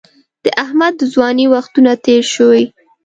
د احمد د ځوانۍ وختونه تېر شوي.